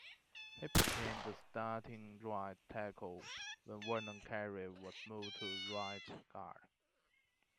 He became the starting right tackle when Vernon Carey was moved to right guard.